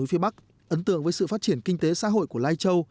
nói về nơi phía bắc ấn tượng với sự phát triển kinh tế xã hội của lai châu